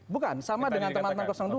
bukan sama dengan teman teman dua